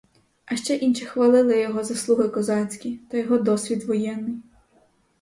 А ще інші хвалили його заслуги козацькі та його досвід воєнний.